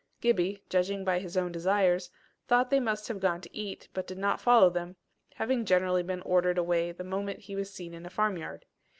Gibbie, judging by his own desires, thought they must have gone to eat, but did not follow them, having generally been ordered away the moment he was seen in a farmyard.